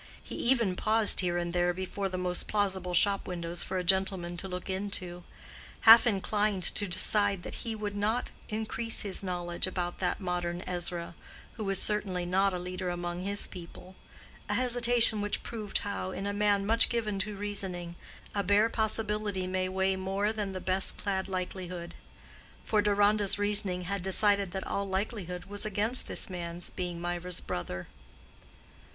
He even paused here and there before the most plausible shop windows for a gentleman to look into, half inclined to decide that he would not increase his knowledge about that modern Ezra, who was certainly not a leader among his people—a hesitation which proved how, in a man much given to reasoning, a bare possibility may weigh more than the best clad likelihood; for Deronda's reasoning had decided that all likelihood was against this man's being Mirah's brother.